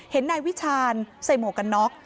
เห็นนายวิชาญใส่หมวกกันน็อก